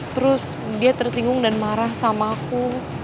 terus dia tersinggung dan marah sama aku